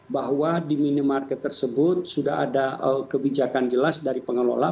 bahwa di minimarket tersebut sudah ada kebijakan jelas dari pengelola